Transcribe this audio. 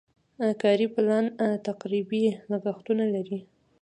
کاري پلان تقریبي لګښتونه لري.